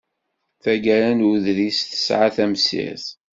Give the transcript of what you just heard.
Tagara n uḍris tesɛa tamsirt.